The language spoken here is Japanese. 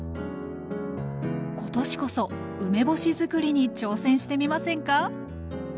今年こそ梅干しづくりに挑戦してみませんか？